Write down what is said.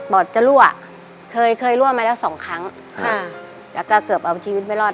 อดจะรั่วเคยเคยรั่วมาแล้วสองครั้งค่ะแล้วก็เกือบเอาชีวิตไม่รอด